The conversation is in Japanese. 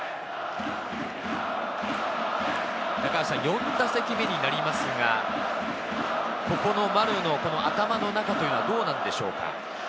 ４打席目になりますが、ここの丸の頭の中というのはどうなんでしょうか？